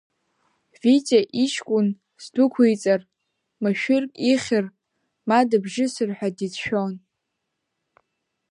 Витиаиҷкәынусддәықәиҵар, машәыркихьыр, мадыбжьысыр ҳәа дицәшәон.